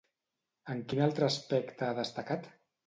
En quin altre aspecte ha destacat?